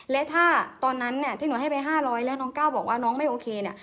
และถ้าตอนนั้นเนี่ยที่หนูให้ไป๕๐๐แล้วน้องก้าวบอกว่าน้องไม่โอเคเนี่ย